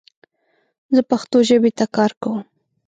زه پښتو ژبې ته کار کوم